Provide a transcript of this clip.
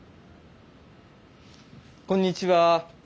こんにちは。